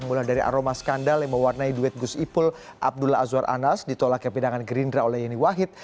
mulai dari aroma skandal yang mewarnai duet gus ipul abdullah azwar anas ditolak kepidangan gerindra oleh yeni wahid